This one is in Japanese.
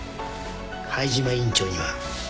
灰島院長には秘密。